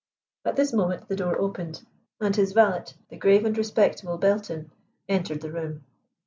At this moment the door opened, and his valet, the grave and respectable Belton, entered the room.